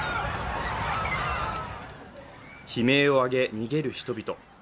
悲鳴を上げ、逃げる人々。